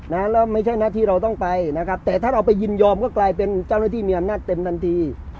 แล้วไม่ใช่หน้าที่เราต้องไปนะครับแต่ถ้าเราไปยินยอมก็กลายเป็นเจ้าหน้าที่มีอำนาจเต็มทันที